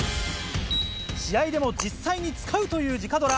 試合でも実際に使うという直ドラ。